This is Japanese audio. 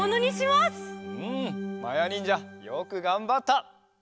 まやにんじゃよくがんばった！